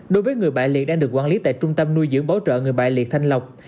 đối với người bại liệt đang được quản lý tại trung tâm nuôi dưỡng bảo trợ người bại liệt thanh lọc